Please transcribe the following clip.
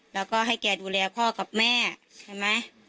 แล้วก็ให้แกดูแลพ่อกับแม่ใช่ไหม